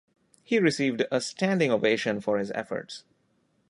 He received a standing ovation for his efforts.